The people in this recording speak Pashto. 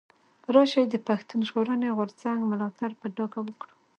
راشئ چي د پښتون ژغورني غورځنګ ملاتړ په ډاګه وکړو.